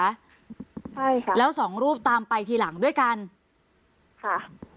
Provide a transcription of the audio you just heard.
ใช่ค่ะแล้วสองรูปตามไปทีหลังด้วยกันค่ะ